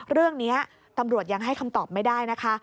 เรื่องนี้ตำรวจยังให้คำตอบไม่ได้นะคะ